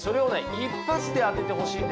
一発で当ててほしいんですよ。